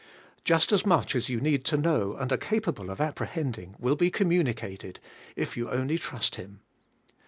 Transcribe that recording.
Just as much as you need to know and are capable of ap prehending, will be communicated, if you only trust Him.